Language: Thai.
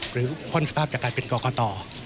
หรือพร้อมสภาพจะกลายเป็นกกต